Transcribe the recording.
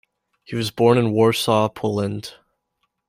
He was born in Warsaw, Poland.